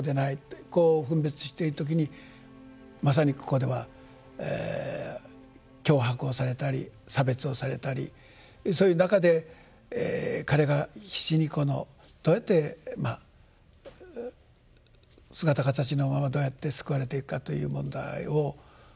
こう分別している時にまさにここでは脅迫をされたり差別をされたりそういう中で彼が必死にこのどうやってまあ姿形のままどうやって救われていくかという問題を。